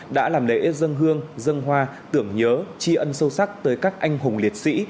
đã làm lễ dân hương dân hoa tưởng nhớ tri ân sâu sắc tới các anh hùng liệt sĩ